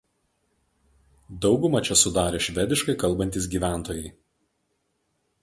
Daugumą čia sudarė švediškai kalbantys gyventojai.